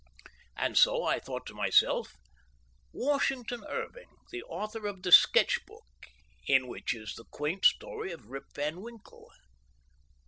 And so I thought to myself, "Washington Irving, the author of 'The Sketch Book,' in which is the quaint story of Rip Van Winkle."